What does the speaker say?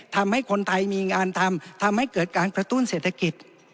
ทำให้คนไทยมีงานทำทำให้เกิดการกระตุ้นเศรษฐกิจ